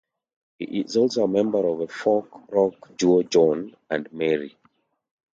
He is also a member of folk rock duo John and Mary.